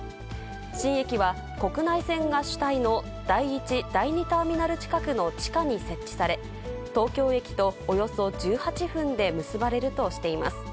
新駅は、国内線が主体の第１、第２ターミナル近くの地下に設置され、東京駅とおよそ１８分で結ばれるとしています。